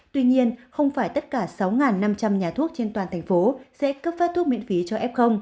tuy nhiên không phải tất cả sáu năm trăm linh nhà thuốc trên toàn thành phố sẽ cấp phát thuốc miễn phí cho f